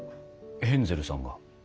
ヘンゼルさんが。